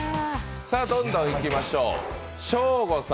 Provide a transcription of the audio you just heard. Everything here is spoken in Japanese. どんどんいきましょう。